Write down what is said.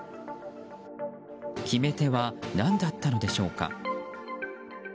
決め手は何だったのでしょうか。